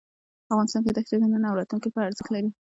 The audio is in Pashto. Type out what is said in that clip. افغانستان کې دښتې د نن او راتلونکي لپاره ارزښت لري.